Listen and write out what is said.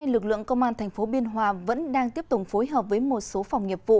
lực lượng công an tp biên hòa vẫn đang tiếp tục phối hợp với một số phòng nghiệp vụ